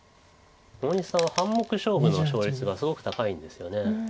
大西さんは半目勝負の勝率がすごく高いんですよね。